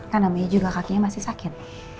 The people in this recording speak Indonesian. kan namanya juga kakinya masih sakit